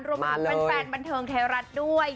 รวมถึงแฟนบันเทิงไทยรัฐด้วย